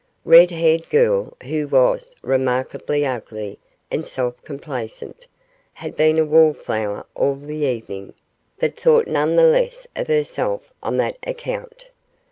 Red haired girl, who was remarkably ugly and self complacent, had been a wallflower all the evening, but thought none the less of herself on that account.